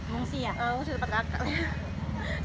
mengusia tempat kakak